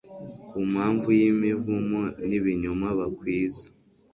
ku mpamvu y’imivumo n’ibinyoma bakwiza